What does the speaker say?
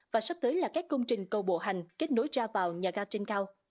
và sắp tới là các công trình cầu bộ hành kết nối ra vào nhà ga trên cao